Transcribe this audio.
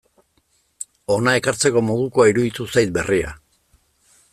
Hona ekartzeko modukoa iruditu zait berria.